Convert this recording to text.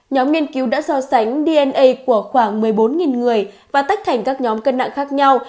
nhóm nghiên cứu đã so sánh dna của khoảng một mươi bốn người và tách thành các nhóm cân nặng khác nhau